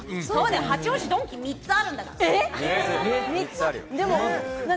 八王子、ドンキ３つあるんだから。